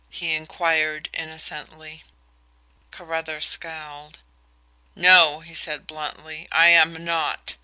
he inquired innocently. Carruthers scowled. "No," he said bluntly. "I am not.